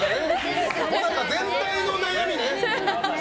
最中全体の悩みね。